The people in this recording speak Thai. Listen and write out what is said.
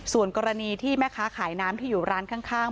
ส่วนกรณีที่แม่ค้าขายน้ำที่อยู่ร้านข้าง